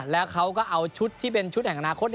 แล้วเขาก็เอาชุดที่เป็นชุดแห่งอนาคต